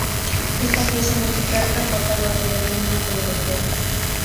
Esta pieza musical ha pasado a ser el Himno Europeo.